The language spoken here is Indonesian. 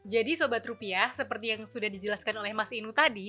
jadi sobat rupiah seperti yang sudah dijelaskan oleh mas inu tadi